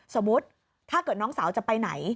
สมมุติถ้าเกิดน้องสาวจะไปไหน